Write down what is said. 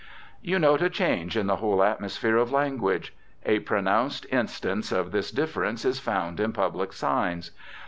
You note a change in the whole atmosphere of language. A pronounced instance of this difference is found in public signs.